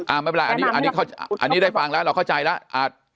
ไม่เป็นไรอันนี้ได้ฟังแล้วเราเข้าใจแล้ว